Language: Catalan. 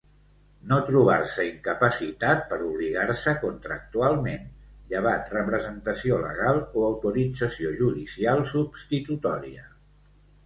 No trobar-se incapacitat per obligar-se contractualment, llevat representació legal o autorització judicial substitutòria.